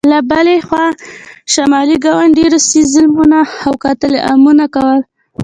له بلې خوا شمالي ګاونډي روسیې ظلمونه او قتل عامونه کول.